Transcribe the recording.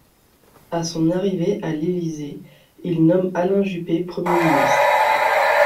À son arrivée à l'Élysée, il nomme Alain Juppé Premier ministre.